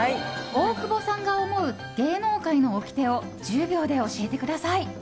大久保さんが思う芸能界のおきてを１０秒で教えてください！